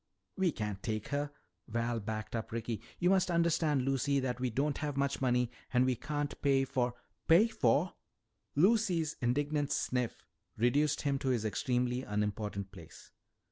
"We can't take her," Val backed up Ricky. "You must understand, Lucy, that we don't have much money and we can't pay for " "Pay fo'!" Lucy's indignant sniff reduced him to his extremely unimportant place.